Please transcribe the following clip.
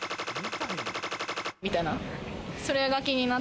みたいな。